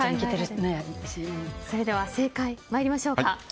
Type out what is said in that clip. それでは正解参りましょうか。